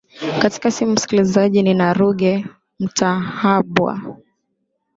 katika simu msikilizaji nina ruge mutahabwa